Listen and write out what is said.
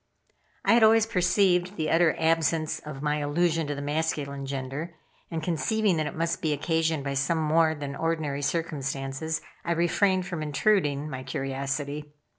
I had always perceived the utter absence of my allusion to the masculine gender, and conceiving that it must be occasioned by some more than ordinary circumstances, I refrained from intruding my curiosity.